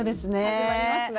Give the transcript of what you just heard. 始まりますね。